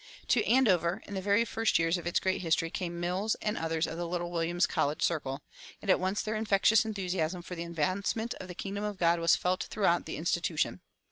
[252:1] To Andover, in the very first years of its great history, came Mills and others of the little Williams College circle; and at once their infectious enthusiasm for the advancement of the kingdom of God was felt throughout the institution.